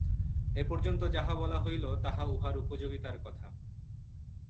এ-পর্যন্ত যাহা বলা হইল, তাহা ইহার উপযোগিতার কথা।